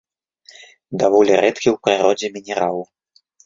Даволі рэдкі ў прыродзе мінерал.